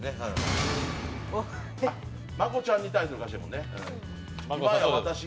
真子ちゃんに対する歌詞やもんね。